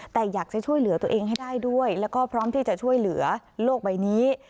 แต่อยากจะช่วยเหลือตัวเองให้ได้ด้วยแล้วก็พร้อมที่จะช่วยเหลือโลกใบนี้